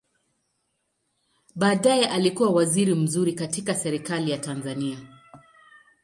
Baadaye alikua waziri mzuri katika Serikali ya Tanzania.